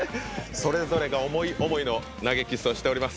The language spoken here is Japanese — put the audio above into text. それぞれが思い思いの投げＫＩＳＳをしております。